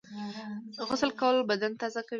غسل کول بدن تازه کوي